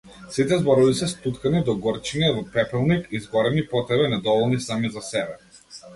Сите зборови се стуткани догорчиња во пепелник, изгорени по тебе, недоволни сами за себе.